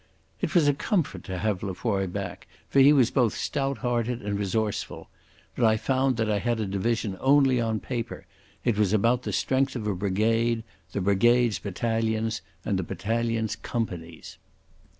It was a comfort to have Lefroy back, for he was both stout hearted and resourceful. But I found that I had a division only on paper. It was about the strength of a brigade, the brigades battalions, and the battalions companies.